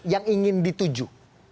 yang ingin dituju